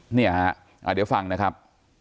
เนี่ยฮะเดี๋ยวฟังนะครับ